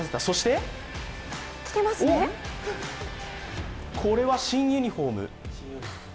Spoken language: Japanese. そして、これは新ユニフォーム。